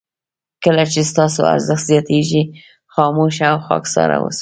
کله چې ستاسو ارزښت زیاتېږي خاموشه او خاکساره اوسه.